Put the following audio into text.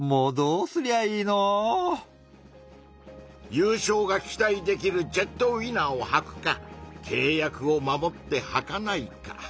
ゆうしょうが期待できるジェットウィナーをはくかけい約を守ってはかないか。